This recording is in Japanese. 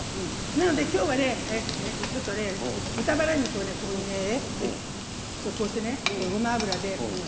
なので、今日はちょっと豚バラ肉をここにこうしてごま油で。